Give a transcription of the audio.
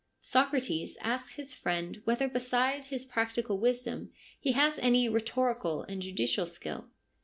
Socrates asks his friend whether beside his practical wisdom he has any rhetorical and judicial skill.